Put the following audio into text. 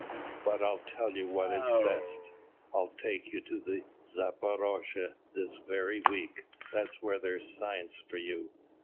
"But I'll tell you what is best: I'll take you to Zaporozhe (1) this very week. That's where there's science for you!